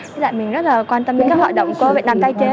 vì vậy mình rất là quan tâm đến các hoạt động của việt nam tái chế